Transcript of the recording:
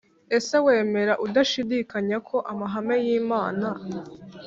Ese wemera udashidikanya ko amahame y Imana